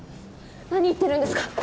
何言ってるんですか？